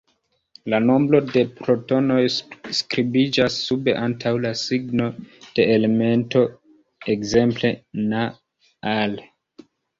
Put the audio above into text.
La nombro de protonoj skribiĝas sube antaŭ la signo de elemento, ekzemple: Na, Al.